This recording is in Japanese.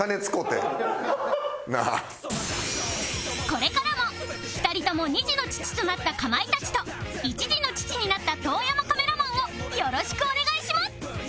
これからも２人とも２児の父となったかまいたちと１児の父になった遠山カメラマンをよろしくお願いします！